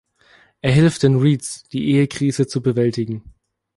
Er hilft den Reeds, die Ehekrise zu bewältigen.